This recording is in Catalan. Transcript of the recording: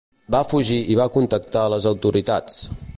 Va fugir i va contactar les autoritats.